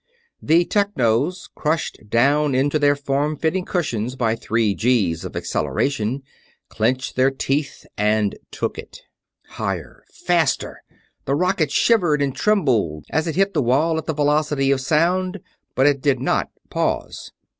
The Technos, crushed down into their form fitting cushions by three G's of acceleration, clenched their teeth and took it. Higher! Faster! The rocket shivered and trembled as it hit the wall at the velocity of sound, but it did not pause.